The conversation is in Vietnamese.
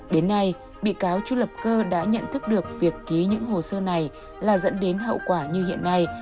đến nay bị cáo chu lập cơ đã nhận thức được việc ký những hồ sơ này là dẫn đến hậu quả như hiện nay